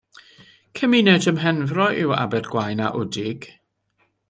Cymuned ym Mhenfro yw Abergwaun a Wdig.